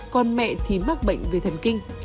con mẹ thì mắc bệnh viện